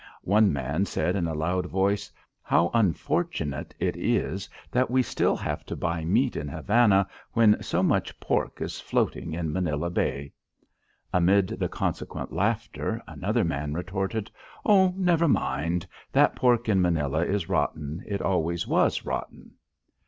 One man said in a loud voice: "How unfortunate it is that we still have to buy meat in Havana when so much pork is floating in Manila Bay!" Amid the consequent laughter, another man retorted: "Oh, never mind! That pork in Manila is rotten. It always was rotten."